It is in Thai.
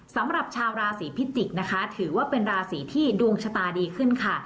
สำหรับชาวราศีพิจิกษ์นะคะถือว่าเป็นราศีที่ดวงชะตาดีขึ้นค่ะ